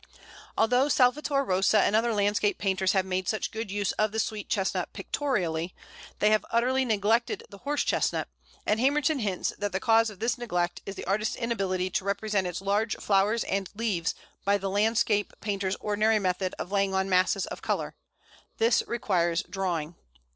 Although Salvator Rosa and other landscape painters have made such good use of the Sweet Chestnut pictorially, they have utterly neglected the Horse Chestnut; and Hamerton hints that the cause of this neglect is the artist's inability to represent its large flowers and leaves by the landscape painter's ordinary method of laying on masses of colour: this requires drawing.